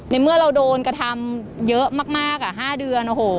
ในเมื่อเราโดนกระทำเยอะมากห้าเดือน